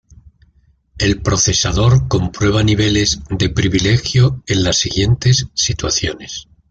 El procesador comprueba niveles de privilegio en las siguientes situaciones.